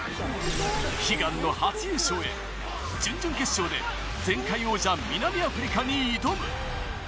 悲願の初優勝へ、準々決勝で前回王者・南アフリカに挑む。